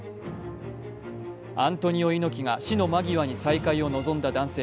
アントニオ猪木が死の間際に再会を望んだ男性。